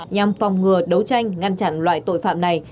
nhằm phòng ngừa đấu tranh ngăn chặn loại tội phạm này